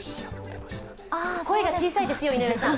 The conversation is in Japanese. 声が小さいですよ、井上さん。